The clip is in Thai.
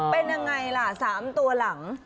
เป็นไงละ๓ตัวหลัง